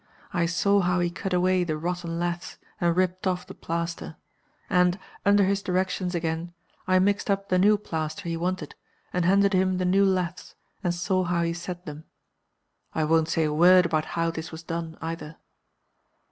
I saw how he cut away the rotten laths and ripped off the plaster; and (under his directions again) I mixed up the new plaster he wanted, and handed him the new laths, and saw how he set them. I won't say a word about how this was done either.